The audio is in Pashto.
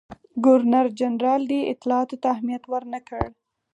ګورنرجنرال دې اطلاعاتو ته اهمیت ورنه کړ.